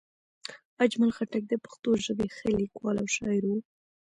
اجمل خټک د پښتو ژبې ښه لیکوال او شاعر وو